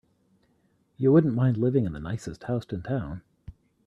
You wouldn't mind living in the nicest house in town.